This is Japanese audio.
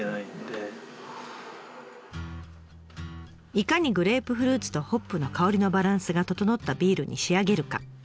いかにグレープフルーツとホップの香りのバランスが整ったビールに仕上げるか。